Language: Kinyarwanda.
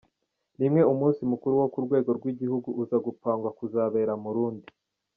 Rimwe umunsi mukuru wo ku rwego rw’igihugu uza gupangwa kuzabera Murundi.